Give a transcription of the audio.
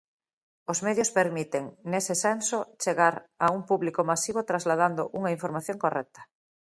Os medios permiten, nese senso, chegar a un público masivo trasladando unha información correcta.